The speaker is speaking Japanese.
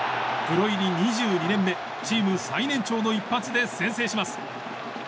プロ入り２２年目チーム最年長の一発で先制します。